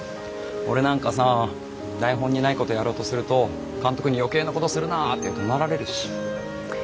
俺なんかさ台本にないことやろうとすると監督に「余計なことするな」ってどなられるし。